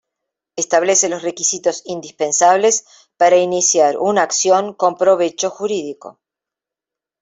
Establece los requisitos indispensables para iniciar una acción con provecho jurídico.